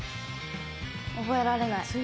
覚えられない。